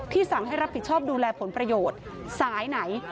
สั่งให้รับผิดชอบดูแลผลประโยชน์สายไหน